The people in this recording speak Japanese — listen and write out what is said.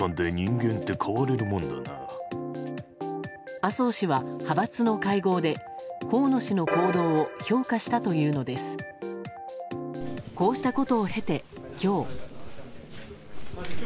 麻生氏は派閥の会合で河野氏の行動を評価したというのです。